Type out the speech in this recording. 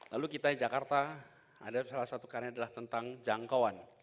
lalu kita jakarta ada salah satu karya adalah tentang jangkauan